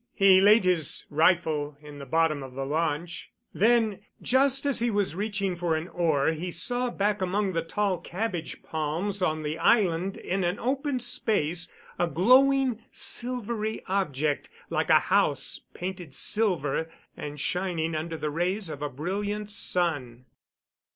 He laid his rifle in the bottom of the launch; then, just as he was reaching for an oar, he saw back among the tall cabbage palms on the island in an open space, a glowing, silvery object, like a house painted silver and shining under the rays of a brilliant sun.